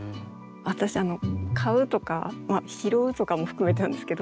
私買うとか拾うとかも含めてなんですけど。